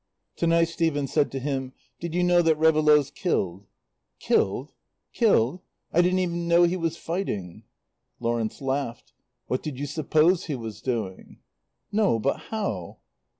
To night Stephen said to him, "Did you know that Réveillaud's killed?" "Killed? Killed? I didn't even know he was fighting." Lawrence laughed. "What did you suppose he was doing?" "No but how?"